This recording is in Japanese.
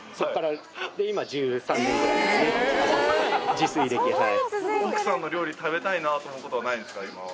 自炊歴はい。